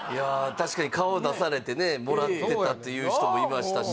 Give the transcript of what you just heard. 確かに顔を出されてねもらってたと言う人もいましたし